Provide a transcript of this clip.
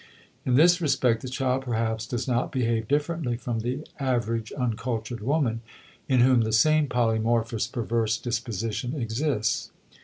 In this respect the child perhaps does not behave differently from the average uncultured woman in whom the same polymorphous perverse disposition exists.